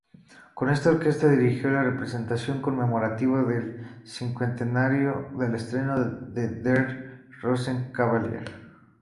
Con esta orquesta, dirigió la representación conmemorativa del cincuentenario del estreno de Der Rosenkavalier.